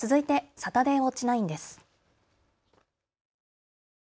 サタデーウオッチ９です。